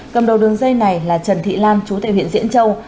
cầm đầu đường dây này là trần thị lan chú tệ huyện diễn châu